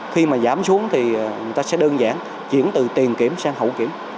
khi mà giảm xuống thì người ta sẽ đơn giản chuyển từ tiền kiểm sang hậu kiểm